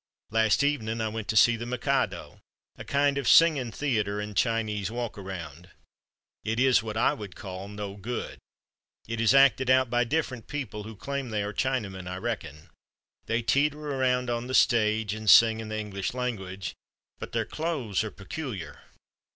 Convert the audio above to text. "Last evening I went to see 'The Mikado,' a kind of singing theater and Chinese walk around. It is what I would call no good. It is acted out by different people who claim they are Chinamen, I reckon. They teeter around on the stage and sing in the English language, but their clothes are peculiar.